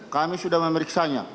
kami sudah memeriksanya